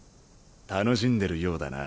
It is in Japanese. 楽しんでるようだな。